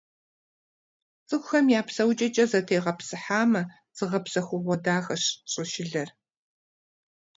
ЦӀыхухэм я псэукӀэкӀэ зэтегъэпсыхьамэ, зыгъэпсэхугъуэ дахэщ щӏышылэр.